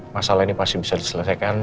masalah ini pasti bisa diselesaikan